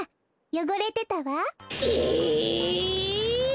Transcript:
よごれてた？